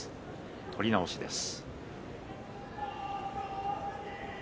取り直しです。